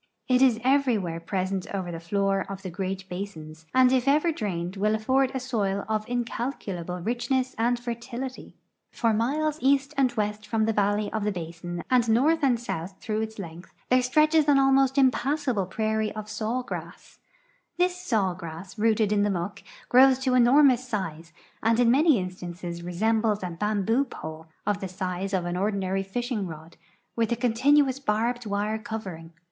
It is everywhere present over the floor of the great basins, and if ever drained will afford a soil of incalculable richne.ss and fertility. For miles east and west from the valle}" of the basin and north VOL. VII, 1896, PL. XLI ON THE CALOOSAHATCHEE RIVER OF THE UNITED STATES 389 and south through its length there stretches an almost impass able prairie of saw grass. This saw grass, rooted in the muck, grows to enormous size, and in many instances resembles a bam boo pole, of the size of an ordinary fishing rod, with a continu ous barbed wire covering.